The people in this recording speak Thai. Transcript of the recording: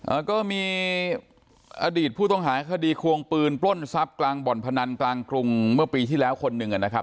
อ่าก็มีอดีตผู้ต้องหาคดีควงปืนปล้นทรัพย์กลางบ่อนพนันกลางกรุงเมื่อปีที่แล้วคนหนึ่งอ่ะนะครับ